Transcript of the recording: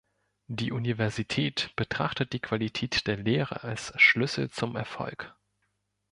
Die Universität betrachtet die Qualität der Lehre als Schlüssel zum Erfolg.